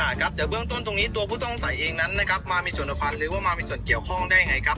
ครับแต่เบื้องต้นตรงนี้ตัวผู้ต้องใส่เองนั้นนะครับมามีส่วนภัณฑ์หรือว่ามามีส่วนเกี่ยวข้องได้ยังไงครับ